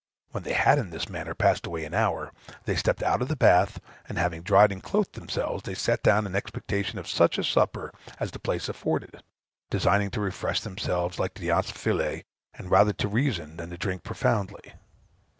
When they had in this manner passed away an hour, they stepped out of the bath; and, having dried and cloathed themselves, they sate down in expectation of such a supper as the place afforded; designing to refresh themselves like the Deipnosophilæ, and rather to reason than to drink profoundly.